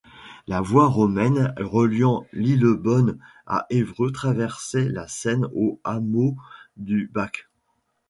La voie romaine reliant Lillebonne à Évreux traversait la Seine au hameau du Bac.